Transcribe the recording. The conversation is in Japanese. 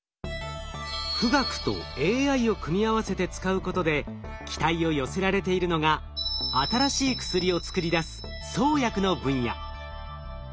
富岳とＡＩを組み合わせて使うことで期待を寄せられているのが新しい薬を作り出す創薬の分野。